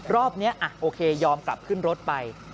รอบนี้โอเคยอมกลับขึ้นรถไป